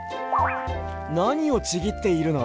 なにをちぎっているの？